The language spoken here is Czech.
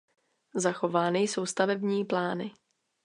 Zachovány jsou stavební plány.